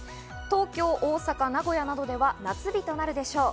東京、大阪、名古屋などでは夏日となるでしょう。